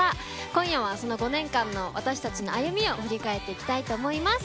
今夜はその５年間の私たちの歩みを振り返っていきたいと思います。